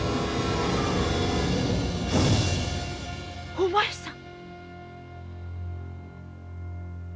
お前さん。